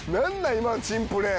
今の珍プレー。